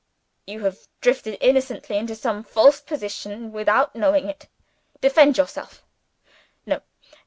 You have drifted innocently into some false position without knowing it. Defend yourself. No.